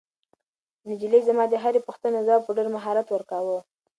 نجلۍ زما د هرې پوښتنې ځواب په ډېر مهارت ورکاوه.